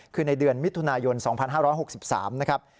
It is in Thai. คือในเดือนมิถุนายน๒๕๖๓นะครับ